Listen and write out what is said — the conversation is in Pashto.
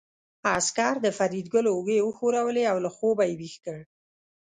عسکر د فریدګل اوږې وښورولې او له خوبه یې ويښ کړ